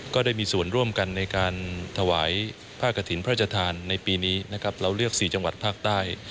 ก็ได้มีส่วนร่วมกันในการถวายผ้ากระถิ่นพระราชทานในปีนี้นะครับเราเลือก๔จังหวัดภาคใต้